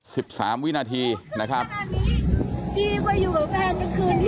สิบสามวินาทีนะครับดีกว่าอยู่กับแฟนกลางคืนที่บ้านอีกนะฮะ